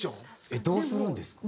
えっどうするんですか？